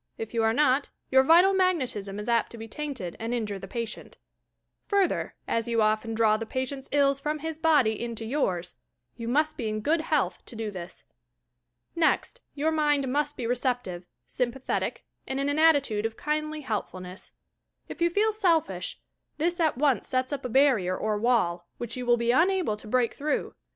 If you are not, your vital magnetism is apt to be tainted and injure the patient. Further, as you often draw the patient's ills from his body into yours, you must be in good health to do this. Next, your mind mu 'rt be receptive, sj mpathetic and in an attitude of kindly helpfulness. If you feel selfish this at once sets up a barrier or wall, which you will be unable to break through.